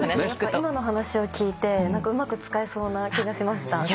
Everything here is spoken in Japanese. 今の話を聞いてうまく使えそうな気がしました。